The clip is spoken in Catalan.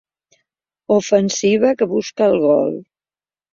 Ofensiva que busca el gol.